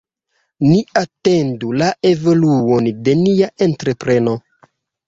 Ni atendu la evoluon de nia entrepreno.